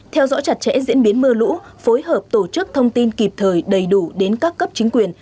theo dõi chặt chẽ diễn biến mưa lũ phối hợp tổ chức thông tin kịp thời đầy đủ đến các cấp chính quyền